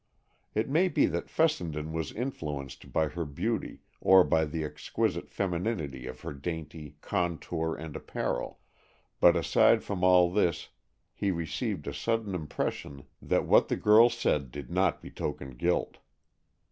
It may be that Fessenden was influenced by her beauty or by the exquisite femininity of her dainty contour and apparel, but aside from all this he received a sudden impression that what this girl said did not betoken guilt.